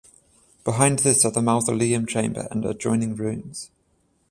Behind this are the mausoleum chamber and adjoining rooms.